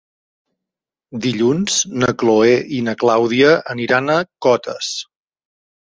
Dilluns na Chloé i na Clàudia aniran a Cotes.